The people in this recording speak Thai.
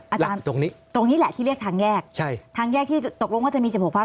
อาจารย์ตรงนี้ตรงนี้แหละที่เรียกทางแยกใช่ทางแยกที่ตกลงว่าจะมี๑๖พัก